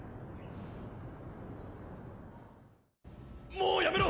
もうやめろ！